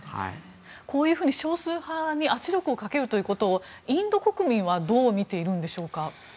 こういうふうに少数派に圧力をかけるということをインド国民はどうみているんでしょうか？